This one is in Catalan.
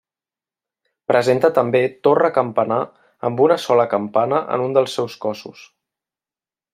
Presenta també torre campanar amb una sola campana en un dels seus cossos.